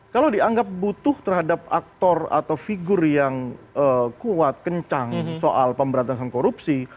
kalau dianggap butuh terhadap aktor atau figur yang kuat kencang soal pemberantasan korupsi